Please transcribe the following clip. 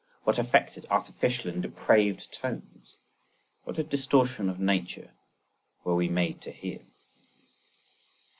What affected, artificial and depraved tones, what a distortion of nature, were we made to hear!